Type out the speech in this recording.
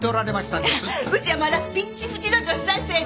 うちはまだピッチピチの女子大生で。